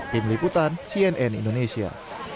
tim liputan cnn indonesia